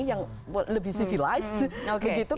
yang lebih civilized